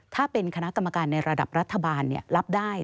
ถ้าเป็นคณะกรรมการในระดับรัฐบาลรับได้